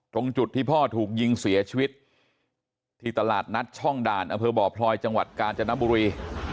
ตรงจุดที่พ่อถูกยิงเสียชีวิตที่ตลาดนัดช่องด่านอำเภอบ่อพลอยจังหวัดกาญจนบุรี